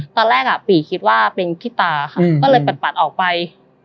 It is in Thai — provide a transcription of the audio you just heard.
ตอนแรกปี่คิดว่าเป็นพี่ตาค่ะก็เลยปัดออกไป